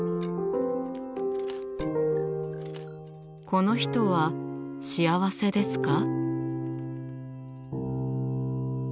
この人は幸せですか？